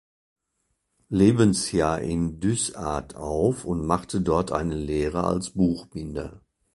Lebensjahr in Dysart auf und machte dort eine Lehre als Buchbinder.